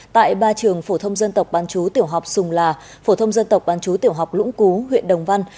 tại ba trường phổ thông dân tộc bán chú tiểu học sùng là phổ thông dân tộc bán chú tiểu học lũng cú huyện đồng văn